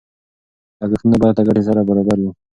لګښتونه باید له ګټې سره برابر وي.